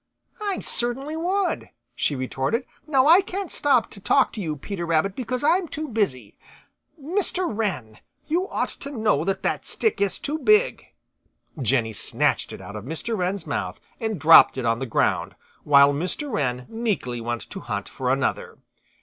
"I certainly would," she retorted. "Now I can't stop to talk to you, Peter Rabbit, because I'm too busy. Mr. Wren, you ought to know that that stick is too big." Jenny snatched it out of Mr. Wren's mouth and dropped it on the ground, while Mr. Wren meekly went to hunt for another.